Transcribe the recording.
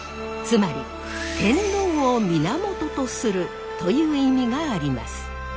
つまり天皇を源とするという意味があります。